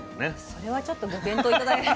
それはちょっとご検討頂いて。